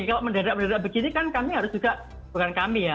kalau mendadak mendadak begini kan kami harus juga bukan kami ya